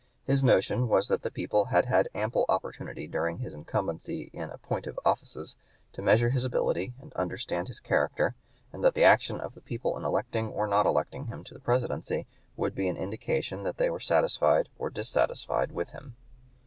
His notion was that the people had had ample opportunity during his incumbency in appointive offices to measure his ability and understand his character, and that the action of the people in electing or not electing him to the Presidency would be an indication that they were satisfied or dissatisfied with him.